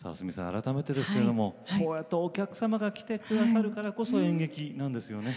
改めてですけれどもこうやってお客様が来てくださるからこそ演劇なんですよね。